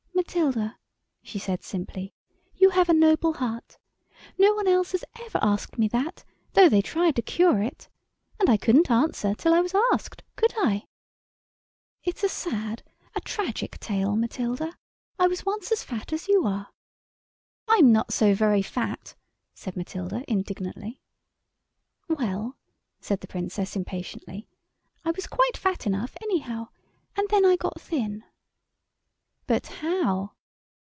"Matilda," she said simply, "you have a noble heart. No one else has ever asked me that, though they tried to cure it. And I couldn't answer till I was asked, could I? It's a sad, a tragic tale, Matilda. I was once as fat as you are." [Illustration: THE KING HAD TURNED INTO A VILLA RESIDENCE.] "I'm not so very fat," said Matilda, indignantly. "Well," said the Princess impatiently, "I was quite fat enough anyhow. And then I got thin—" "But how?"